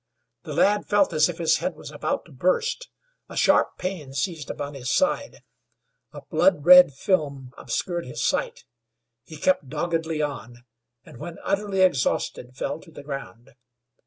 The lad felt as if his head was about to burst; a sharp pain seized upon his side; a blood red film obscured his sight. He kept doggedly on, and when utterly exhausted fell to the ground.